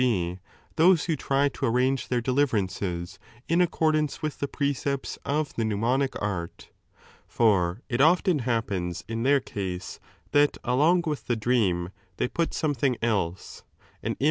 g. those who try to arrange their deliverances in accordance with the precepts of the mnemonic arL^ For it often happens in their case that along with the dream they put something else, an image ^Dtan.